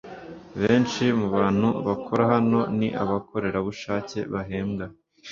benshi mubantu bakora hano ni abakorerabushake bahembwa